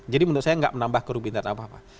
jadi menurut saya enggak menambah kerumitan apa apa